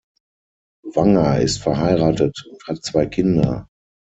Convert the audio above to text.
Wanger ist verheiratet und hat zwei Kinder.